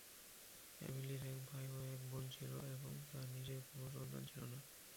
এমিলির এক ভাই ও এক বোন ছিল আর তার নিজের কোনো সন্তান ছিল না।